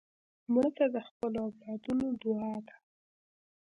مړه ته د خپلو اولادونو دعا ده